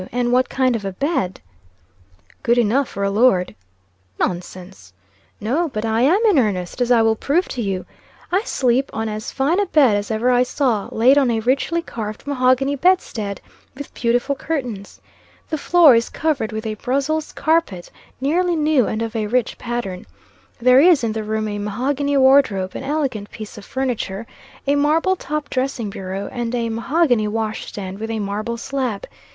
and what kind of a bed?" "Good enough for a lord." "Nonsense!" "No, but I am in earnest, as I will prove to you. I sleep on as fine a bed as ever I saw, laid on a richly carved mahogany bedstead, with beautiful curtains. The floor is covered with a Brussels carpet, nearly new and of a rich pattern. There is in the room a mahogany wardrobe, an elegant piece of furniture a marble top dressing bureau, and a mahogany wash stand with a marble slab.